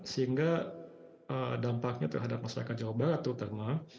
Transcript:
sehingga dampaknya terhadap masyarakat jawa barat terutama